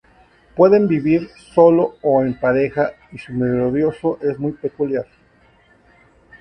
Pueden vivir solo o en pareja y su melodioso es muy peculiar.